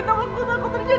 panasnya empat puluh derajat